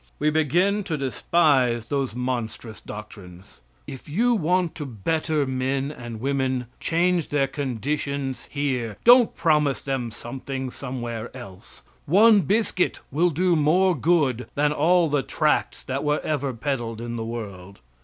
We begin to despise those monstrous doctrines. If you want to better men and women, change their conditions here. Don't promise them something somewhere else. One biscuit will do more good than all the tracts that were ever peddled in the world.